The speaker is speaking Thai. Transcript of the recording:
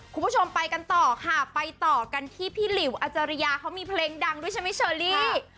คุณผู้ชมไปต่อที่พี่หลิวอัจจริยามีเพลงดังด้วยใช่มิเชอร์ลี่